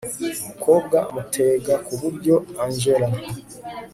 umukobwa mutega kuburyo angella